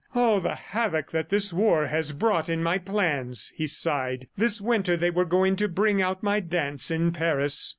"Oh, the havoc that this war has brought in my plans!" he sighed. "This winter they were going to bring out my dance in Paris!"